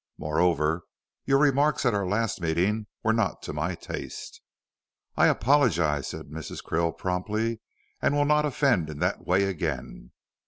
Moreover, your remarks at our last meeting were not to my taste." "I apologize," said Mrs. Krill, promptly, "and will not offend in that way again.